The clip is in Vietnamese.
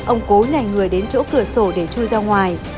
ông cố nhảy người đến chỗ cửa sổ để chui ra ngoài